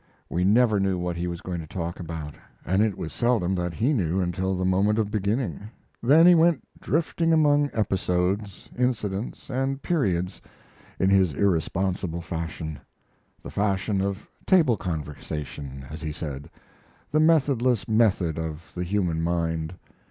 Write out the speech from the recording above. We never knew what he was going to talk about, and it was seldom that he knew until the moment of beginning; then he went drifting among episodes, incidents, and periods in his irresponsible fashion; the fashion of table conversation, as he said, the methodless method of the human mind.